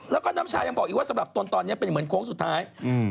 แล้วก็น้ำชายังบอกอีกว่าสำหรับตนตอนนี้เป็นเหมือนโค้งสุดท้ายอืม